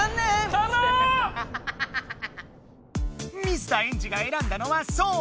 水田エンジがえらんだのはそう！